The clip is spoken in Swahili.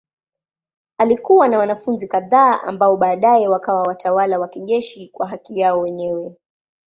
Alikuwa na wanafunzi kadhaa ambao baadaye wakawa watawala wa kijeshi kwa haki yao wenyewe.